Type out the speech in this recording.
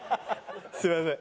すみません。